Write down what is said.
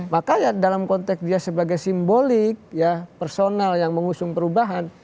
maka ya dalam konteks dia sebagai simbolik personal yang mengusung perubahan